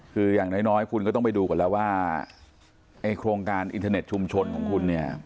คืออย่างน้อยคุณก็ต้องไปดูก่อนแล้วว่าไอ้โครงการอินเทอร์เน็ตชุมชนของคุณเนี่ย